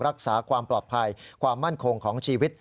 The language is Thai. รักษาความปลอดภัยความมั่นคงของชีวิต